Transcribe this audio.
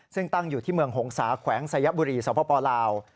ซึ่งตั้งอยู่ที่เมืองหงษาแขวงสยบุรีสปลาว